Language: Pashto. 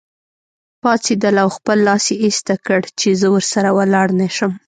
پاڅېدله او خپل لاس یې ایسته کړ چې زه ورسره ولاړ نه شم.